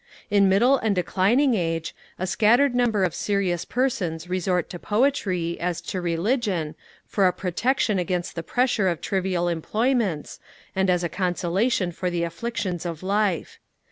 In middle and declining age, a scattered number of serious persons resort to poetry, as to religion, for a protection against the pressure of trivial employments, and as a consolation for the afflictions of life.